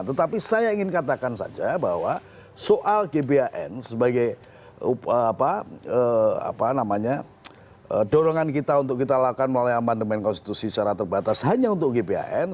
tetapi saya ingin katakan saja bahwa soal gbhn sebagai dorongan kita untuk kita lakukan melalui amandemen konstitusi secara terbatas hanya untuk gbhn